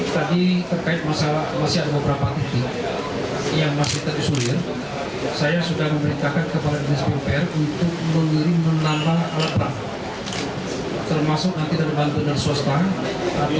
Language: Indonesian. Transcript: tadi terkait masalah kelesian beberapa titik yang masih terdisulir